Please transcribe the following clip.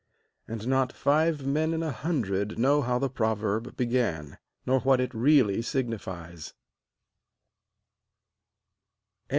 And not five men in a hundred know how the proverb began, nor what it really signifies.